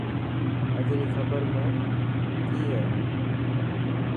اڄ ري خبر ۾ ڪئي هي؟